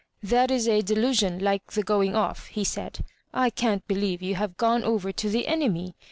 " That is a delusion like the going o$" he said. " I can't believe you have gone over to the enemy.